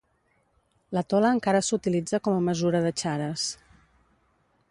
La tola encara s'utilitza com a mesura de charas.